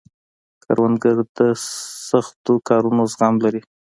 کروندګر د سختو کارونو زغم لري